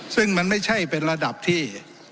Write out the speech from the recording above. ซึ่งมันไม่ใช่เป็นระดับที่